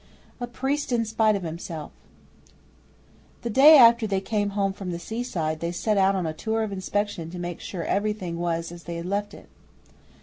'A Priest in Spite of Himself' The day after they came home from the sea side they set out on a tour of inspection to make sure everything was as they had left it.